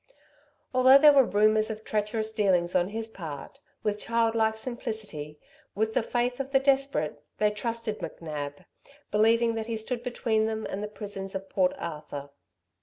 Although there were rumours of treacherous dealings on his part, with child like simplicity, with the faith of the desperate, they trusted McNab, believing that he stood between them and the prisons of Port Arthur.